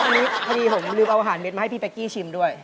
ทีนี้ผมลืมเอาอาหารเบ็ดมาให้พี่แป๊กกี้ชิมด้วย